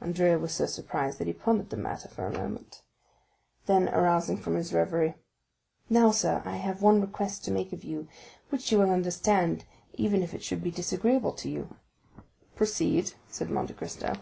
Andrea was so surprised that he pondered the matter for a moment. Then, arousing from his reverie: "Now, sir, I have one request to make to you, which you will understand, even if it should be disagreeable to you." "Proceed," said Monte Cristo.